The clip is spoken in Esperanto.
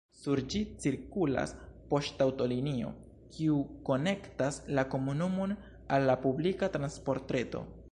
Sur ĝi cirkulas poŝtaŭtolinio, kiu konektas la komunumon al la publika transportreto.